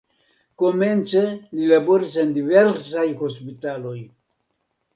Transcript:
Komence li laboris en diversaj hospitaloj.